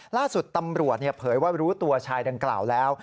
ล่าสุดตำรวจเผยว่ารู้ตัวชายดังกล่าวแล้ว